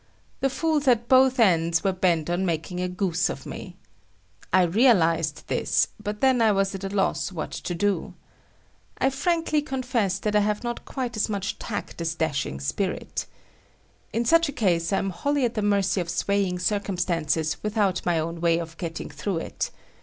The fools at both ends were bent on making a goose of me. I realized this, but then I was at a loss what to do. I frankly confess that I have not quite as much tact as dashing spirit. In such a case I am wholly at the mercy of swaying circumstances without my own way of getting through it.